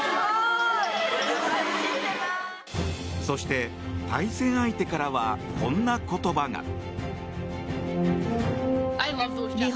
そして、対戦相手からはこんな言葉が。